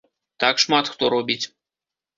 Так шмат хто робіць.